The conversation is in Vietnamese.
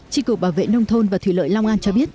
chính cụ bảo vệ nông thôn và thủy lợi long an cho biết